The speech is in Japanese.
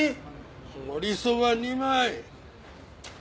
もりそば２枚。